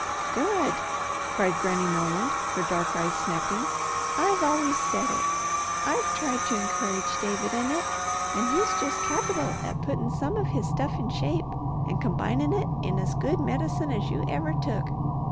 "Good!" cried Granny Moreland, her dark eyes snapping. "I've always said it! I've tried to encourage David in it. And he's just capital at puttin' some of his stuff in shape, and combinin' it in as good medicine as you ever took.